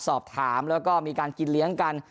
สอบถามแล้วก็มีการกินเลี้ยงกัน